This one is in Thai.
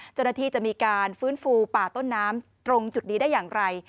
เจ้าหน้าที่จะมีการฟื้นฟูป่าต้นน้ำตรงจุดนี้ได้อย่างไร